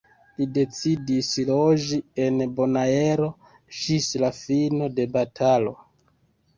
Li decidis loĝi en Bonaero ĝis la fino de batalo.